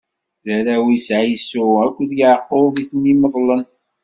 D arraw-is Ɛisu akked Yeɛqub i t-imeḍlen.